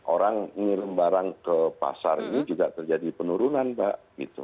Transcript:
orang ngirim barang ke pasar itu juga terjadi penurunan pak